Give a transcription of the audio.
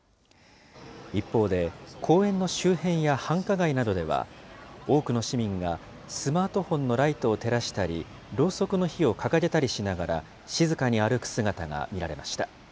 一方で、公園の周辺や繁華街などでは、多くの市民がスマートフォンのライトを照らしたり、ろうそくの火を掲げたりしながら、静かに歩く姿が見られました。